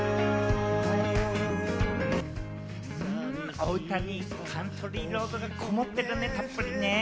お歌にカントリー・ロードがこもってるね、たっぷりね。